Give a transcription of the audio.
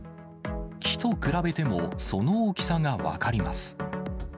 木と比べてもその大きさが分かります。